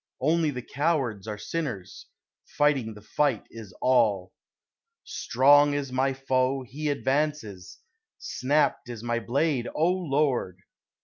Only the cowards are sinners, Fighting the fight is all. Strong is my foe he advances! Snapt is my blade, O Lord!